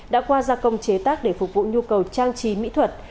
đã qua gia công chế tác để phục vụ nhu cầu trang trí mỹ thuật